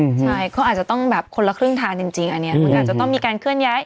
ใช่เขาอาจจะต้องแบบคนละครึ่งทางจริงอันนี้มันอาจจะต้องมีการเคลื่อนย้าย